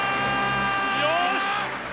よし！